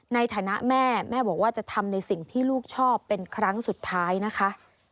ในฐานะแม่แม่บอกว่าจะทำในสิ่งที่ลูกชอบเป็นครั้งสุดท้ายนะคะ